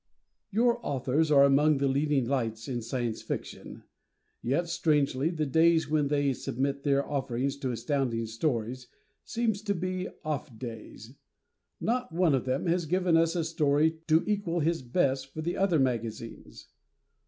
Your authors are among the leading lights in Science Fiction; yet, strangely, the days when they submit their offerings to Astounding Stories seem to be "off days." Not one of them has given us a story to equal his best for the other magazines.